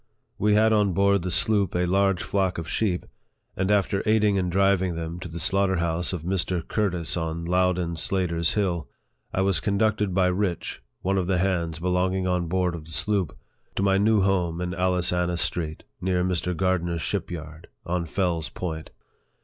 We had on board the sloop a large flock of sheep ; and after aiding in driving them to the slaughter house of Mr. Curtis on Louden Slater's Hill, I was conducted by Rich, one of the hands belonging on board of the sloop, to my new home in Alliciana Street, near Mr. Gardner's ship yard, on Fells Point.